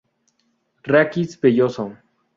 Raquis velloso.